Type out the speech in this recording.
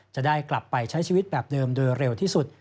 จะได้กลับไปใช้ชีวิตแบบเดิมโดยเร็วที่สุด